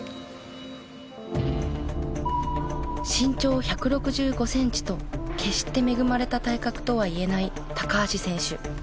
身長１６５センチと決して恵まれた体格とはいえない高橋選手。